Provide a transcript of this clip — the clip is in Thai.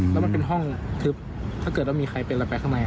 แล้วมันเป็นห้องทึบถ้าเกิดว่ามีใครเป็นเราไปข้างใน